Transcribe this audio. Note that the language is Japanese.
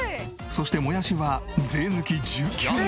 そしてもやしは税抜き１９円。